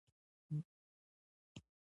دسخاوت شیبې